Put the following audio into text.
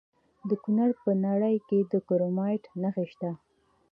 د کونړ په ناړۍ کې د کرومایټ نښې شته.